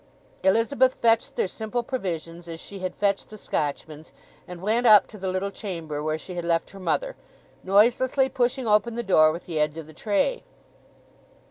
Elizabeth fetched their simple provisions, as she had fetched the Scotchman's, and went up to the little chamber where she had left her mother, noiselessly pushing open the door with the edge of the tray.